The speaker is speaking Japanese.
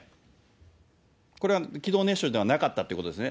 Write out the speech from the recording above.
これは気道熱傷ではなかったということですね。